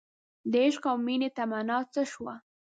دعشق او مینې تمنا څه شوه